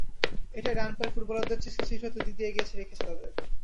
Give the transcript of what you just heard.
এটাই ডান পায়ের ফুটবলারদের চেয়ে সৃষ্টিশীলতার দিক দিয়ে এগিয়ে রেখেছে তাঁদের।